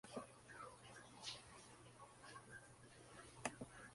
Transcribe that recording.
Las obras comenzaron a mediados del mismo año.